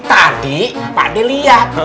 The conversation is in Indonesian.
tadi pak de lihat